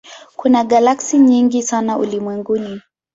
Kuna galaksi nyingi sana ulimwenguni.